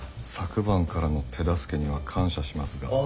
昨晩からの手助けには感謝しますが。